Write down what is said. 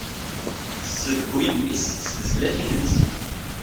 Tessedhuy mmi-s s tezlatin n zik.